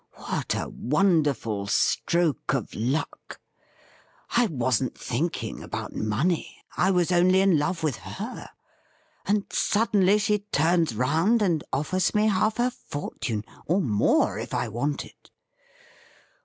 What a wonderful stroke of luck ! I wasn't thinking about money, I was only in love with her, and suddenly she turns round and offers me half of her fortune, or more if I want it.